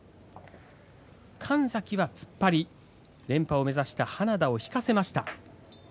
完璧な突っ張り、連覇を目指した花田を引かせました。